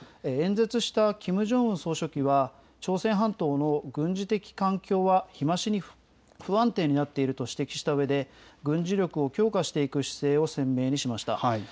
演説したキム・ジョンウン総書記は、朝鮮半島の軍事的環境は日増しに不安定になっていると指摘したうえで、軍事力を強化していく姿勢を鮮明にしました。